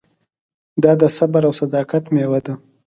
دا د صبر او صداقت مېوه ده.